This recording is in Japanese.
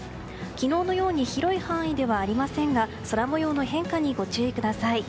昨日のように広い範囲ではありませんが空模様の変化にご注意ください。